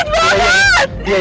cepetan ricky ini sakit banget